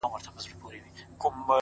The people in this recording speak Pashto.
كه په رنگ باندي زه هر څومره تورېږم ـ